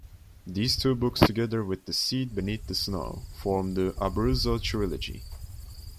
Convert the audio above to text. These two books together with "The Seed Beneath the Snow" form the "Abruzzo Trilogy".